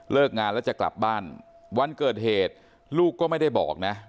งานแล้วจะกลับบ้านวันเกิดเหตุลูกก็ไม่ได้บอกนะ